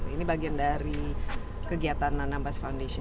ini bagian dari kegiatan nanambas foundation